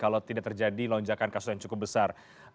kalau tidak terjadi lonjakan kasus yang cukup besar